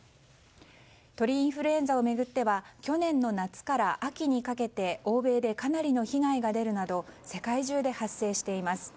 鳥インフルエンザを巡っては去年の夏から秋にかけて欧米でかなりの被害が出るなど世界中で発生しています。